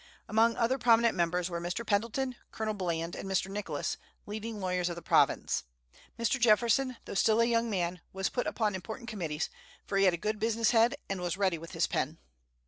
Among other prominent members were Mr. Pendleton, Colonel Bland, and Mr. Nicholas, leading lawyers of the province. Mr. Jefferson, though still a young man, was put upon important committees, for he had a good business head, and was ready with his pen.